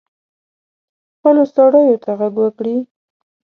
خپلو سړیو ته ږغ وکړي.